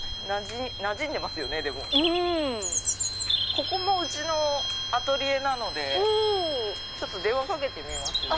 ここもうちのアトリエなのでちょっと電話かけてみますね。